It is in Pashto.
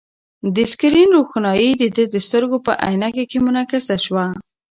د سکرین روښنايي د ده د سترګو په عینکې کې منعکسه شوه.